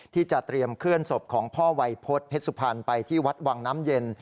ที่จะเตรียมเคลื่อนศพของพ่อวัยพฤษเพชรสุพรรณไปที่วัดวังน้ำเย็น